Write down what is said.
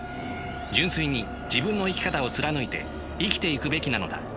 純粋に自分の生き方を貫いて生きていくべきなのだ。